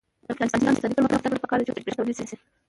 د افغانستان د اقتصادي پرمختګ لپاره پکار ده چې برښنا تولید شي.